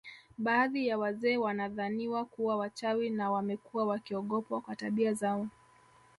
Baadhi ya wazee wanadhaniwa kuwa wachawi na wamekuwa wakiogopwa kwa tabia zao